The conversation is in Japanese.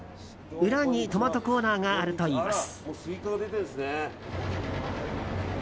裏にトマトコーナーがあるといいます。